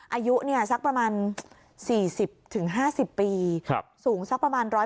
อายุเนี้ยสักประมาณสี่สิบถึงห้าสิบปีครับสูงสักประมาณร้อย